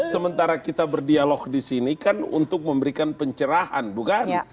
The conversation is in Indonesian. sementara kita berdialog disini kan untuk memberikan pencerahan bukan